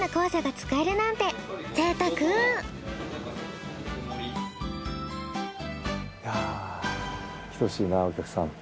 来てほしいなお客さん。